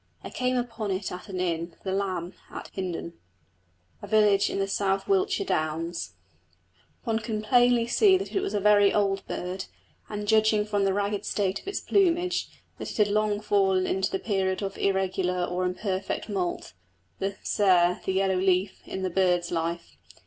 I came upon it at an inn, the Lamb, at Hindon, a village in the South Wiltshire downs. One could plainly see that it was a very old bird, and, judging from the ragged state of its plumage, that it had long fallen into the period of irregular or imperfect moult "the sere, the yellow leaf" in the bird's life.